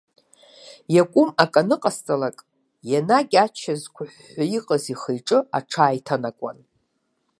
Иакәым акы аныҟасҵалак, енагь ачча зқәыҳәҳәы иҟаз ихы-иҿы аҽааиҭанакуан.